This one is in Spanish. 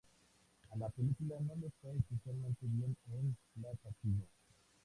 A la película no le fue especialmente bien en la taquilla.